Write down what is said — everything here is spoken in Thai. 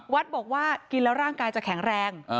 วัดบอกว่ากินแล้วร่างกายจะแข็งแรง